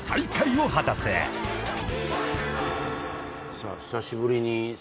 さあ久しぶりに。